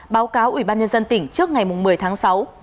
báo cáo ubnd tỉnh trước ngày một mươi tháng sáu